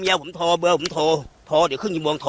เรื่องเงินเรื่องทองบอก